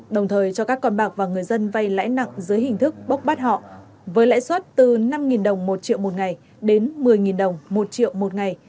đồng thời cho các con bạc và người dân vay lãi nặng dưới hình thức bốc bắt họ với lãi suất từ năm đồng một triệu một ngày đến một mươi đồng một triệu một ngày